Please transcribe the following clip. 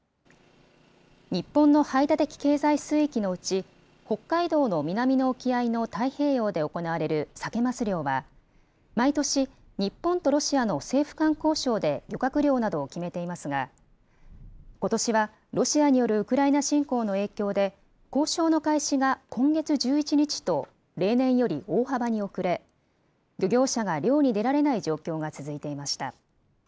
日本の排他的経済水域のうち、北海道の南の沖合の太平洋で行われるサケ・マス漁は、毎年、日本とロシアの政府間交渉で漁獲量などを決めていますが、ことしはロシアによるウクライナ侵攻の影響で交渉の開始が今月１１日と、例年より大幅に遅れ、漁業者が漁に出られない状況が続いていました。